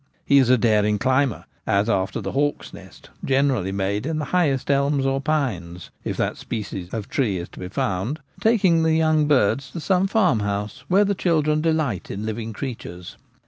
He is a daring climber : as after the hawk's nest, generally made in the highest elms or pines — if that species of tree is to be found — taking the young birds to some farmhouse where the children delight in living creatures.